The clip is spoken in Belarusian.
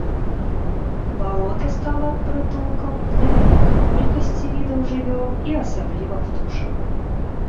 Балота стала прытулкам для вялікай колькасці відаў жывёл і асабліва птушак.